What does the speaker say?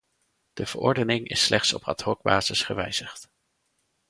De verordening is slechts op ad-hocbasis gewijzigd.